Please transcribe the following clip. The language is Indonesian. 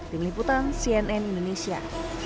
tim liputan cnn indonesia